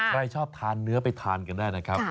ใครชอบทานเนื้อไปทานกันได้นะครับ